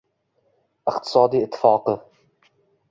iqtisodiy ittifoqi